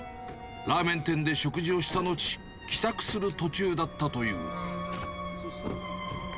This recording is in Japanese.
ラーメン店で食事をした後、帰宅する途中だったという。